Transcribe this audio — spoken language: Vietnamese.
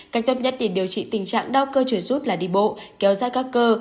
càng chân nhất để điều trị tình trạng đau cơ trôi rút là đi bộ kéo ra các cơ